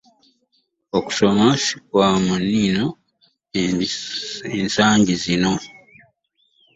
okusoma so kwamuniino emisango zino.